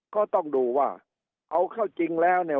ก็ต้องดูว่าเอาเข้าจริงแล้วเนี่ย